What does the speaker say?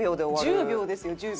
１０秒ですよ１０秒。